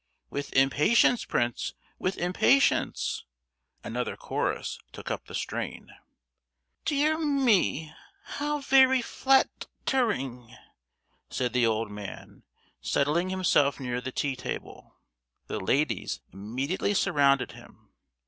"With impatience, Prince, with impatience!" another chorus took up the strain. "Dear me, how very flat—tering!" said the old man, settling himself near the tea table. The ladies immediately surrounded him.